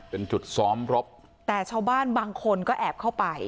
เป็นจุดซ้อมรบแต่ชาวบ้านบางคนก็แอบเข้าไป